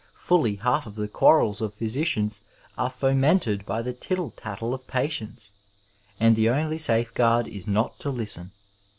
Fully half of the quarrels of physioians are fomented by the tittle tattle of patients, and the only safeguard is not to listen.